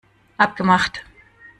Abgemacht!